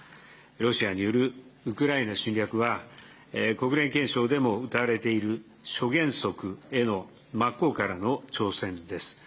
ロシアによるウクライナ侵略は、国連憲章でもうたわれている諸原則への真っ向からの挑戦です。